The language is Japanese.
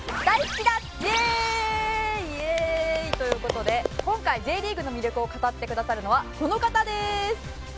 イエーイ！という事で今回Ｊリーグの魅力を語ってくださるのはこの方です。